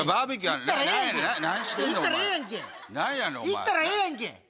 行ったらええやんけ。